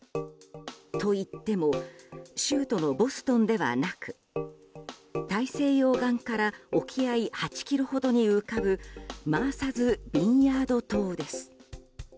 といっても州都のボストンではなく大西洋岸から沖合８ｋｍほどに浮かぶマーサズ・ビンヤード島です。